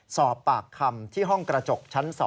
สอบปากคำที่ห้องกระจกชั้น๒